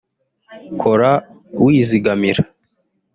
kora wizigamira